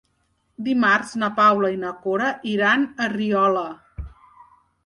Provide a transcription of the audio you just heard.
Dimarts na Paula i na Cora iran a Riola.